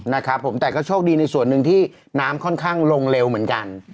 นะครับผมแต่ก็โชคดีในส่วนหนึ่งที่น้ำค่อนข้างลงเร็วเหมือนกัน